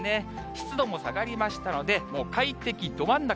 湿度も下がりましたので、もう快適ど真ん中。